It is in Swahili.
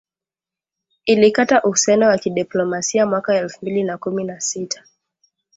ilikata uhusiano wa kidiplomasia mwaka elfu mbili na kumi na sita